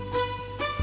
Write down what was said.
tidak ada yang si